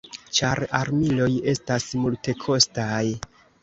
Ĉar armiloj estas multekostaj.